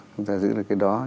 chúng ta giữ được cái đó